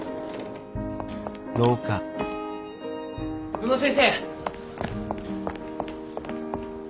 宇野先生。